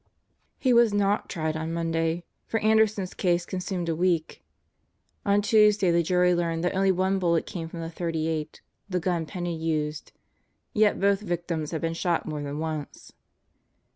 He was not tried on Monday; for Anderson's case consumed a week. On Tuesday the jury learned that only one bullet came from the .38 the gun Penney used yet both victims had been shot more than once.